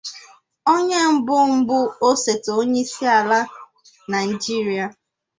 Ma onye bụbu osote onyeisiala Naịjirịa.